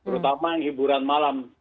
terutama yang hiburan malam